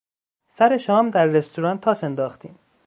سر شام در رستوران تاس انداختیم.